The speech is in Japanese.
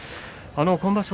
今場所